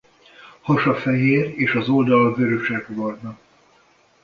Hasa fehér és az oldala vörösesbarna.